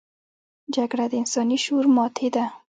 جګړه د انساني شعور ماتې ده